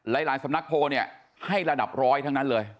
หลายสำนักโพลเนี่ยให้ระดับร้อยทั้งนั้นเลย